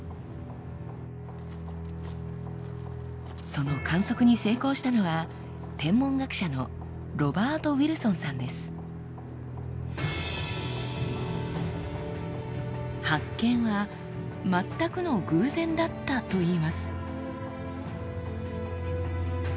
その観測に成功したのは発見は全くの偶然だったといいます。